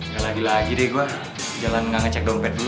ya lagi lagi deh gue jalan gak ngecek dompet dulu